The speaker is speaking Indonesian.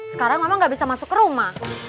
sekarang mama gak bisa masuk rumah